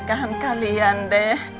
dekahan kalian dek